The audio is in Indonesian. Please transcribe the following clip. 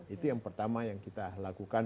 itu yang pertama yang kita lakukan